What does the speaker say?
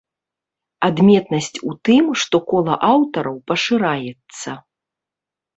Адметнасць у тым што кола аўтараў пашыраецца.